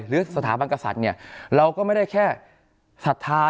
หรือสถาบันกษัตริย์เนี่ยเราก็ไม่ได้แค่ศรัทธา